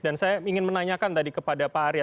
dan saya ingin menanyakan tadi kepada pak arya